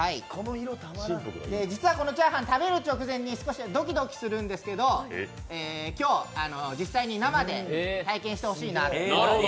実はこのチャーハン、食べるとき少しドキドキするんですけど、今日、実際に生で体験してほしいなと。